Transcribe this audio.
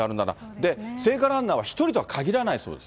で、聖火ランナーは１人とはかぎらないそうです。